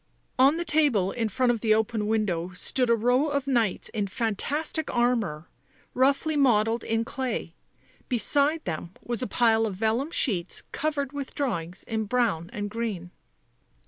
On the table in front of the open window stood a row of knights in fantastic armour, roughly modelled in clay ; beside them was a pile of vellum sheets covered with drawings in brown and green.